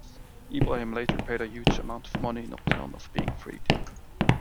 Ibrahim later paid a huge amount of money in return of being freed.